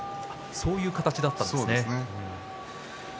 そういう形だったんですね。